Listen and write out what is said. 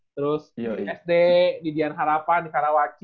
terus di sd di dian harapan di sarawaci